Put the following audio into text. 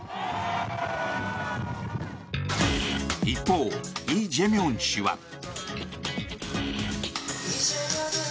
一方、イ・ジェミョン氏は。